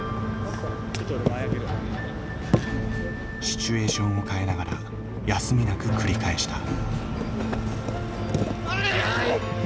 シチュエーションを変えながら休みなく繰り返した。